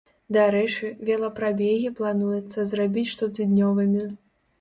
Дарэчы, велапрабегі плануецца зрабіць штотыднёвымі.